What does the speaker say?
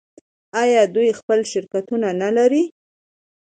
آیا دوی خپل شرکتونه نلري؟